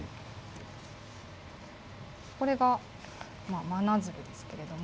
これがまなづるですけれども。